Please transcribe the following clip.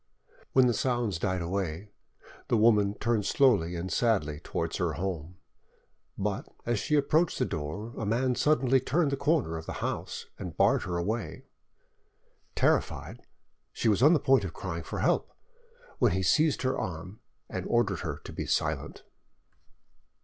When the sounds died away, the woman turned slowly and sadly towards her home, but as she approached the door a man suddenly turned the corner of the house and barred her away. Terrified, she was on the point of crying for help, when he seized her arm and ordered her to be silent.